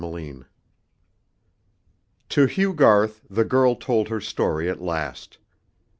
CHAPTER IV To Hugh Garth the girl told her story at last.